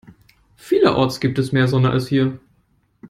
Vielerorts gibt es mehr Sonne als hier.